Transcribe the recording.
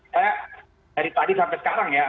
saya dari tadi sampai sekarang ya